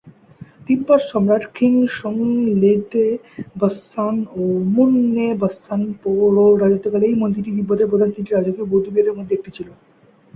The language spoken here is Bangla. তিব্বত সম্রাট খ্রি-স্রোং-ল্দে-ব্ত্সান ও মু-নে-ব্ত্সান-পো র রাজত্বকালে এই মন্দিরটি তিব্বতের প্রধান তিনটি রাজকীয় বৌদ্ধবিহারের মধ্যে একটি ছিল।